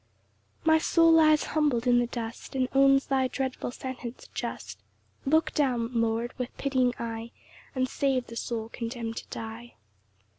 6 My soul lies humbled in the dust, And owns thy dreadful sentence just; Look down, O Lord, with pitying eye, And save the soul condemn'd to die.